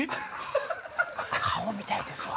顔みたいですわ。